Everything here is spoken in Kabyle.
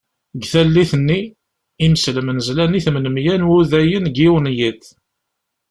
Deg tallit-nni, imselmen zlan i tmen-mya n Wudayen deg yiwen n yiḍ.